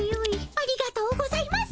ありがとうございます！